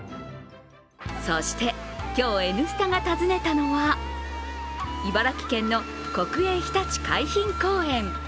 そして、今日「Ｎスタ」が訪ねたのは茨城県の国営ひたち海浜公園。